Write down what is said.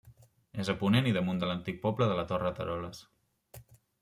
És a ponent i damunt de l'antic poble de la Torre d'Eroles.